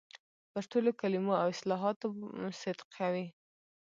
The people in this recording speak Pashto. پر ټولو کلمو او اصطلاحاتو صدق کوي.